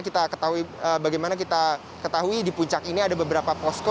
kita ketahui bagaimana kita ketahui di puncak ini ada beberapa posko